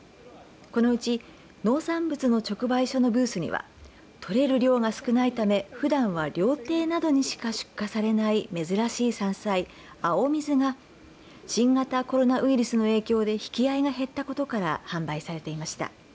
このうち農産物の直売所のブースには取れる量が少ないため、ふだんは料亭などにしか出荷されない珍しい山菜青みずが新型コロナウイルスの影響で引き合いが減ったことから販売されていました。